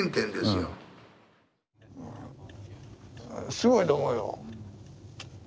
すごいと思うよ。